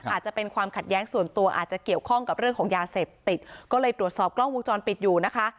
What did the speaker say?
อาจจะเป็นความขัดแย้งส่วนตัวอาจจะเกี่ยวข้องกับเรื่องของยาเสพติดก็เลยตรวจสอบกล้องวงจรปิดอยู่นะคะ